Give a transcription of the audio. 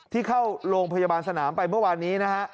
ที่เข้าโรงพยาบาลสนามไปเมื่อวานนี้นะฮะ